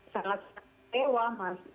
sangat kecewa mas